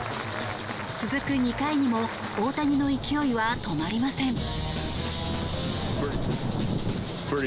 続く２回にも大谷の勢いは止まりません。